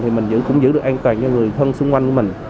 thì mình cũng giữ được an toàn cho người thân xung quanh của mình